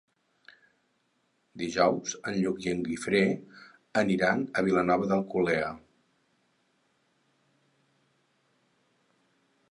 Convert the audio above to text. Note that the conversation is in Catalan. Dijous en Lluc i en Guifré aniran a Vilanova d'Alcolea.